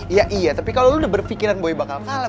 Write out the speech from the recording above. iya iya tapi kalau lu udah berpikiran boy bakal kalah